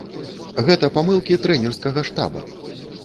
Гэта памылкі трэнерскага штаба.